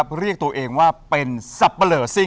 จริงอ่ะหรอ